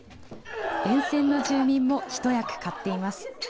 沿線の住民も一役買っています。